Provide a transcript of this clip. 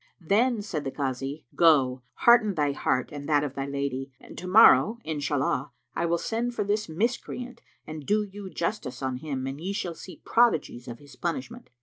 Then said the Kazi, "Go, hearten thy heart and that of thy lady; and to morrow, Inshallah, I will send for this Miscreant and do you justice on him and ye shall see prodigies of his punishment."